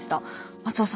松尾さん